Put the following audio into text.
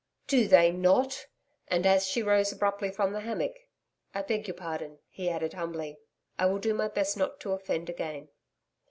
'Do they not!' And as she rose abruptly from the hammock, 'I beg your pardon,' he added humbly, 'I will do my best not to offend again.'